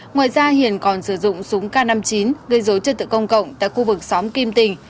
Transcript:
ngoài ra hiền còn sử dụng súng k năm mươi chín gây dối trật tự công cộng tại khu vực xóm kim tình